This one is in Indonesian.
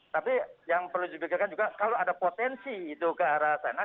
tapi yang perlu dipikirkan juga kalau ada potensi itu ke arah sana